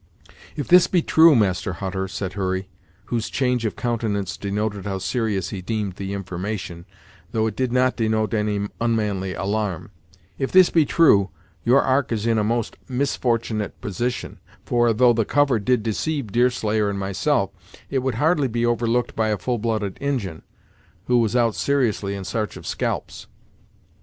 "If this be true, Master Hutter," said Hurry, whose change of countenance denoted how serious he deemed the information, though it did not denote any unmanly alarm, "if this be true, your ark is in a most misfortunate position, for, though the cover did deceive Deerslayer and myself, it would hardly be overlooked by a full blooded Injin, who was out seriously in s'arch of scalps!"